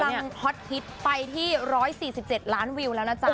ฮอตฮิตไปที่๑๔๗ล้านวิวแล้วนะจ๊ะ